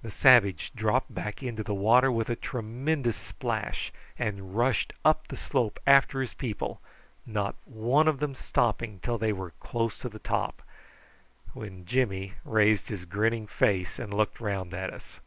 The savage dropped back into the water with a tremendous splash, and rushed up the slope after his people, not one of them stopping till they were close to the top, when Jimmy raised his grinning face and looked round at us.